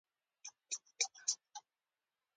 کره پښتو ليکل د افغان مسؤليت دی